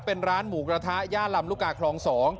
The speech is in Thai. เป็นร้านหมูกระทะย่านลำลูกกาคลอง๒